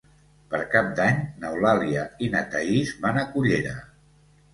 Per Cap d'Any n'Eulàlia i na Thaís van a Cullera.